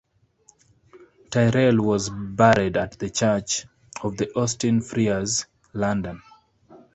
Tyrrell was buried at the church of the Austin Friars, London.